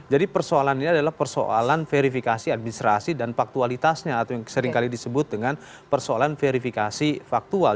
jadi persoalannya adalah persoalan verifikasi administrasi dan faktualitasnya atau yang seringkali disebut dengan persoalan verifikasi faktual